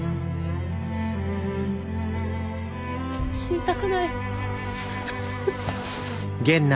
死にたくない。